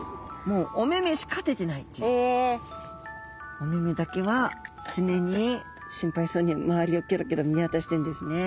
おめめだけは常に心配そうに周りをキョロキョロ見渡してるんですね。